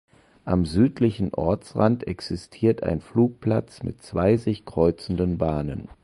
Am südlichen Ortsrand existiert ein Flugplatz mit zwei sich kreuzenden Bahnen.